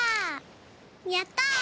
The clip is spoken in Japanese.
やった！